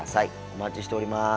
お待ちしております。